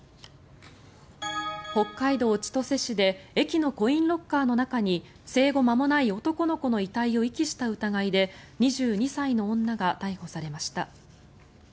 北海道千歳市で駅のコインロッカーの中に生後間もない男の子の遺体を遺棄した疑いで２２歳の女が逮捕されました。